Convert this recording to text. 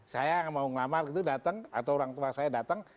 saya mau ngelamar gitu datang atau orang tua saya datang